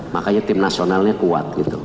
makanya tim nasionalnya kuat